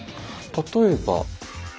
例えば。